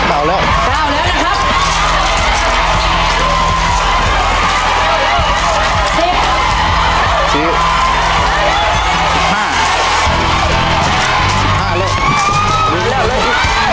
๒๐แล้วตอนนี้เหลืออีกแค่๑๙กรัมแล้วนะครับ